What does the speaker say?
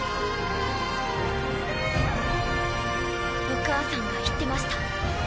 お母さんが言ってました。